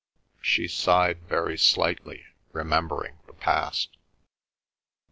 She sighed very slightly, remembering the past.